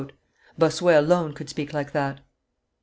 Bossuet alone could speak like that.